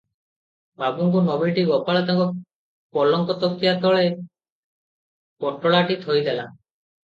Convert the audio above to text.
ବାବୁଙ୍କୁ ନ ଭେଟି ଗୋପାଳ ତାଙ୍କ ପଲଙ୍କ ତକିଆ ତଳେ ପୋଟଳାଟି ଥୋଇ ଦେଲା ।